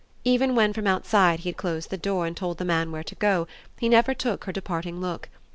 Even when from outside he had closed the door and told the man where to go he never took her departing look.